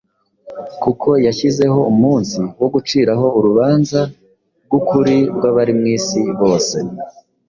Kuko yashyizeho umunsi wo gucira ho urubanza rw’ukuri rw’abari mu isi bose,